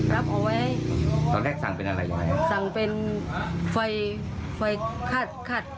รับไว้ตอนแรกสั่งเป็นอะไรอยู่ไหนสั่งเป็นไฟไฟคาดคาดสี่สาม